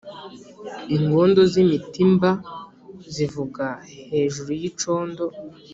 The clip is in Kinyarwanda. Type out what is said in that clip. ingondo z'imitimba zivuga hejuru y'icondo.